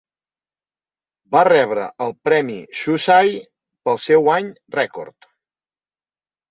Va rebre el premi Shusai pel seu any rècord.